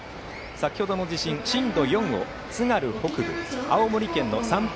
先程の地震、震度４を津軽北部、青森県の三八